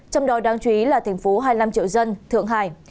trong đó đáng chú ý là thành phố hai mươi năm triệu dân thượng hải